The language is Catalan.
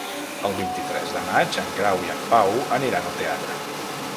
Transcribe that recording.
El vint-i-tres de maig en Grau i en Pau aniran al teatre.